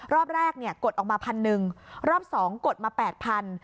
รอบแรกเนี่ยกดออกมาพันหนึ่งรอบสองกดมาแปดพัน